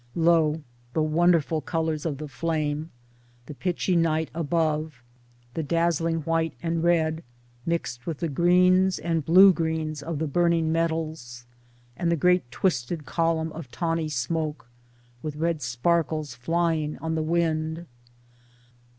Lo ! trie wonderful colors of the flame ! The pitchy night 8o Towards Democracy above; the dazzling white and red mixed with the greens and blue greens of the burning metals ; and the great twisted column of tawny smoke, with red sparkles flying on the wind.